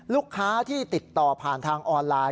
ลูกค้าที่ติดต่อผ่านทางออนไลน์